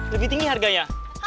lebih tinggi harganya